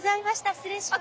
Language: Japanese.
失礼します。